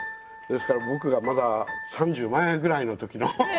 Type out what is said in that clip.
ですから僕がまだ３０前ぐらいの時の。